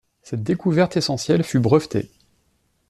Cette découverte essentielle fut brevetée.